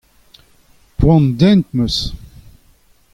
Poan dent am eus.